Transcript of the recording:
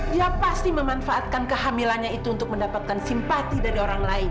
dia pasti memanfaatkan kehamilannya itu untuk mendapatkan simpati dari orang lain